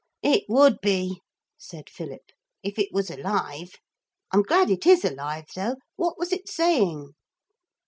'It would be,' said Philip, 'if it was alive. I'm glad it is alive, though. What was it saying?'